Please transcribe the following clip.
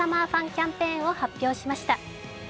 キャンペーンを発表しました。